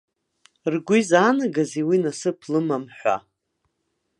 Ргәы изаанагазеи уи насыԥ лымам ҳәа?